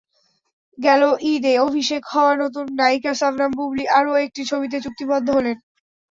গেল ঈদে অভিষেক হওয়া নতুন নায়িকা শবনম বুবলী আরও একটি ছবিতে চুক্তিবদ্ধ হলেন।